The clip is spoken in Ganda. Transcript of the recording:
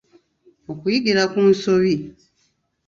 okuyigira ku nsobi